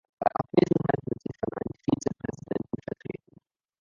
Bei Abwesenheit wird sie von einem Vizepräsidenten vertreten.